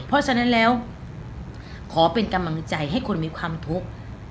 เพราะฉะนั้นแล้วขอเป็นกำลังใจให้คนมีความทุกข์